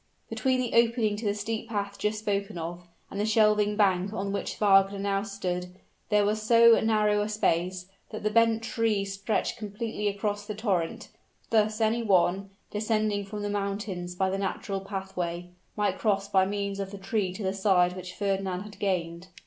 Between the opening to the steep path just spoken of, and the shelving bank on which Wagner now stood, there was so narrow a space, that the bent tree stretched completely across the torrent; thus any one, descending from the mountains by the natural pathway, might cross by means of the tree to the side which Fernand had gained.